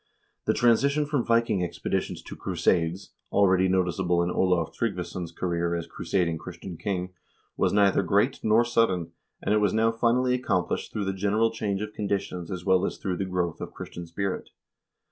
The transition from Viking expeditions to crusades, already noticeable in Olav Tryggvason's career as crusading Christian king, was neither great nor sudden, and it was now finally accomplished through the general change of conditions as well as through the growth of Christian spirit.